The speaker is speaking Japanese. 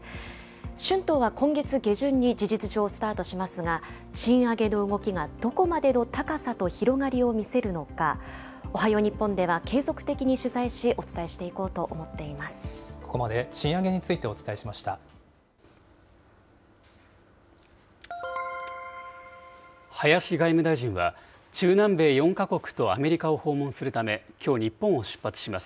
春闘は今月下旬に事実上スタートしますが、賃上げの動きがどこまでの高さと広がりを見せるのか、おはよう日本では継続的に取材し、ここまで、賃上げについてお林外務大臣は、中南米４か国とアメリカを訪問するため、きょう、日本を出発します。